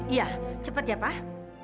iya cepet ya pak